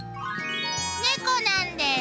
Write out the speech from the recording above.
「猫なんです」